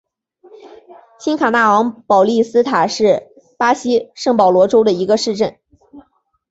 新卡纳昂保利斯塔是巴西圣保罗州的一个市镇。